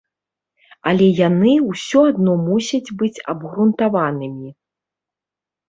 Але яны ўсё адно мусяць быць абгрунтаванымі.